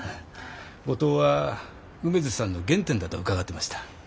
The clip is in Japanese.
五島は梅津さんの原点だと伺ってました。